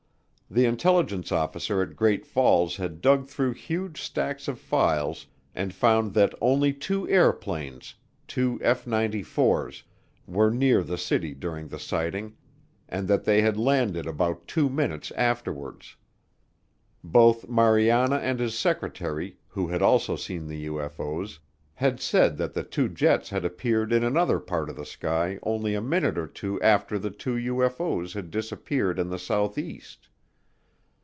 The intelligence officer at Great Falls had dug through huge stacks of files and found that only two airplanes, two F 94's, were near the city during the sighting and that they had landed about two minutes afterwards. Both Mariana and his secretary, who had also seen the UFO's, had said that the two jets had appeared in another part of the sky only a minute or two after the two UFO's had disappeared in the southeast.